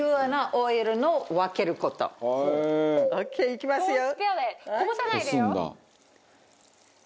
いきますよ。